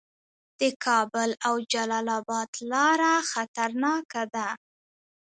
د کابل او جلال اباد لاره خطرناکه ده